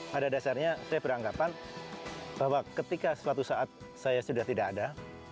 pada dasarnya saya beranggapan bahwa ketika suatu saat saya sudah tidak ada